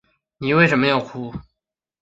妳为什么要哭